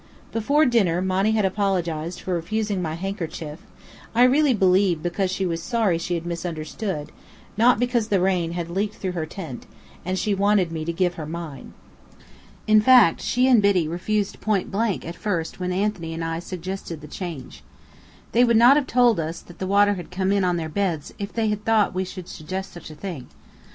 Before dinner Monny had apologized for refusing my handkerchief, I really believe because she was sorry she had misunderstood, not because the rain had leaked through her tent, and she wanted me to give her mine. In fact, she and Biddy refused pointblank at first when Anthony and I suggested the change. They would not have told us that the water had come in on their beds if they had thought we would suggest such a thing.